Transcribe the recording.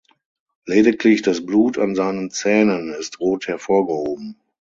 Lediglich das Blut an seinen Zähnen ist rot hervorgehoben.